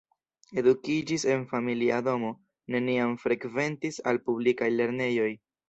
Edukiĝis en familia domo, neniam frekventis al publikaj lernejoj.